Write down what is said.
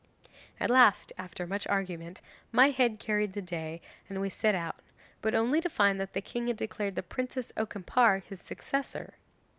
'At last, after much argument, my head carried the day and we set out; but only to find that the king had declared the Princess Okimpare his successor.